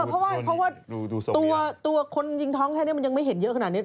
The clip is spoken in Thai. เพราะว่าตัวคนยิงท้องแค่นี้มันยังไม่เห็นเยอะขนาดนี้